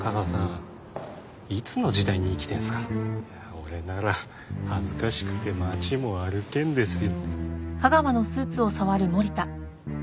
俺なら恥ずかしくて街も歩けんですよ。